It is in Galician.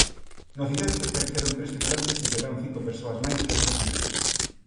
No accidente pereceron tres tripulantes e quedaron cinco persoas máis desaparecidas.